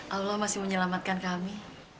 allah masih menyelamatkan kami